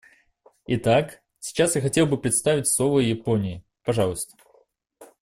Итак, сейчас я хотел бы предоставить слово Японии, пожалуйста.